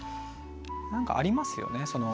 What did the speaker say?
何かありますよね。